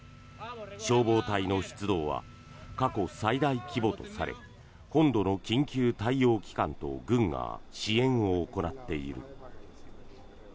消防隊の出動は過去最大規模とされ本土の緊急対応機関と軍が支援を行っている。